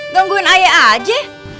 gangguin ayah aja